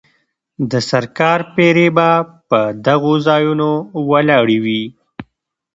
د سرکار پیرې به په دغو ځایونو ولاړې وې.